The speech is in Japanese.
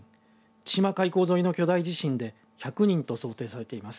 千島海溝沿いの巨大地震で１００人と想定されています。